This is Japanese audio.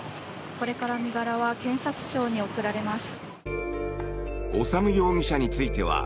これから身柄は検察庁に送られます。